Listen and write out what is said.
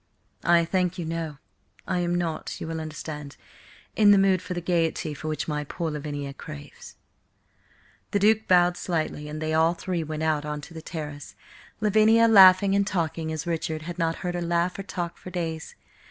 "I thank you, no. I am not, you will understand, in the mood for the gaiety for which my poor Lavinia craves." The Duke bowed slightly, and they all three went out on to the terrace, Lavinia laughing and talking as Richard had not heard her laugh or talk for days.